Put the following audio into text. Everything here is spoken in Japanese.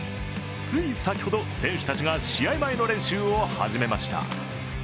つい先ほど、選手たちが試合前の練習を始めました。